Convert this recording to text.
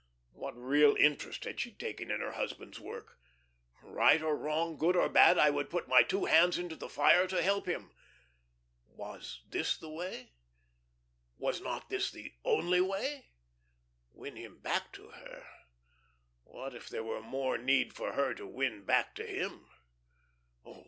What real interest had she taken in her husband's work? "Right or wrong, good or bad, I would put my two hands into the fire to help him." Was this the way? Was not this the only way? Win him back to her? What if there were more need for her to win back to him?